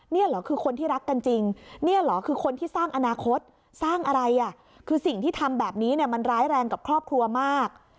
นี่เหรอคือคนที่รักกันจริงเนี่ยเหรอคือคนที่สร้างอนาคตสร้างอะไรอ่ะคือสิ่งที่ทำแบบนี้เนี่ยมันร้ายแรงกับครอบครัวมาก